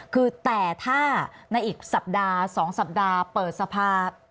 คือแต่ถ้าในอีกสัปดาห์๒สัปดาห์เปิดสภา